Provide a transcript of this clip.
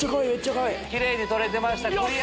キレイに撮れてましたクリア！